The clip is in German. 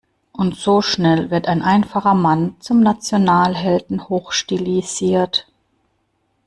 Und so schnell wird ein einfacher Mann zum Nationalhelden hochstilisiert.